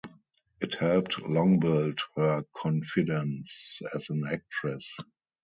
It helped Long build her confidence as an actress.